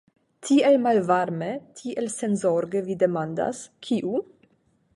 Tiel malvarme, tiel senzorge vi demandas, kiu?